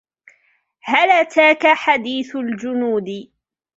هَلْ أَتَاكَ حَدِيثُ الْجُنُودِ